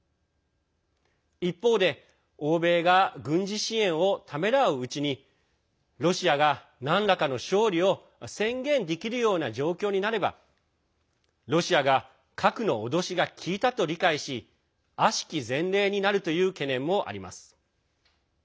一方で、欧米が軍事支援をためらううちにロシアがなんらかの勝利を宣言できるような状況になればロシアが核の脅しが効いたと理解し悪しき前例になるという懸念もあります。